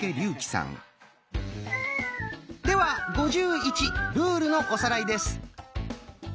では「５１」ルールのおさらいです。